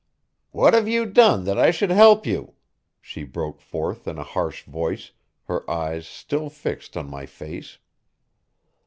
"What have you done that I should help you?" she broke forth in a harsh voice, her eyes still fixed on my face.